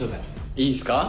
いいっすか？